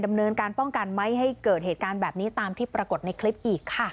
ดำเนินการป้องกันไม่ให้เกิดเหตุการณ์แบบนี้ตามที่ปรากฏในคลิปอีกค่ะ